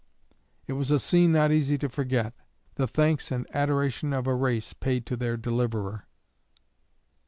It was a scene not easy to forget: the thanks and adoration of a race paid to their deliverer.